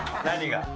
何が？